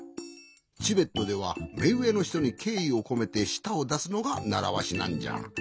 チベットではめうえのひとにけいいをこめてしたをだすのがならわしなんじゃ。